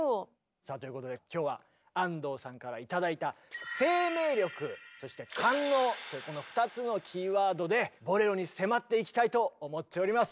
さあということで今日は安藤さんから頂いたというこの２つのキーワードで「ボレロ」に迫っていきたいと思っております！